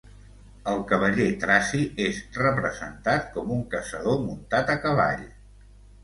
El cavaller traci és representat com un caçador muntat a cavall.